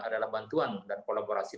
jangan lupa kita akan mencari penyelenggaraan